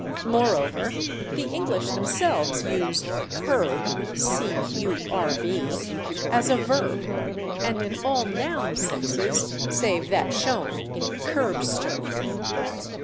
Moreover, the English themselves use /curb/ as a verb and in all noun senses save that shown in /kerbstone